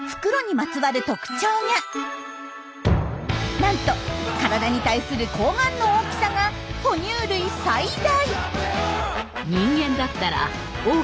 なんと体に対する睾丸の大きさが哺乳類最大！